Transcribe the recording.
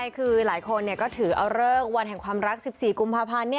คือหลายคนก็ถือเอาเลิกวันแห่งความรัก๑๔กุมภาพันธ์